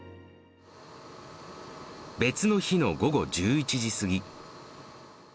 別の日の午後１１時過ぎ。